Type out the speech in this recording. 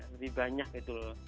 lebih banyak gitu